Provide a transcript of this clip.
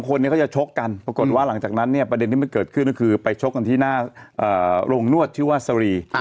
คนนี้เขาจะชกกันปรากฏว่าหลังจากนั้นเนี่ยประเด็นที่มันเกิดขึ้นก็คือไปชกกันที่หน้าโรงนวดชื่อว่าสรี